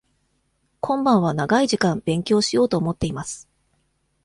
今晩は長い時間勉強しようと思っています。